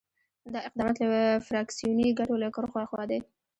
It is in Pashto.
دا اقدامات له فراکسیوني ګټو له کرښو آخوا دي.